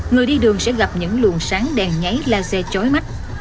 người đi đường sẽ gặp những luồng sáng đèn nháy laser chói mắt